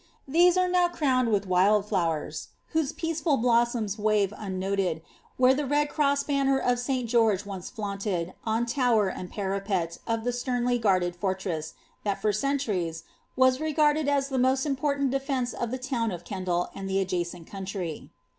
These are now crowned with wild flowers, whose peaceful blossoms wave unnoted, where the red cross banner of Sl Geoige once flaunted, on tower and parapet of the sternly guarded fi>rtre8s that, for centuries, was regarded as the most important defence of the town of Kendal and the adjacent country.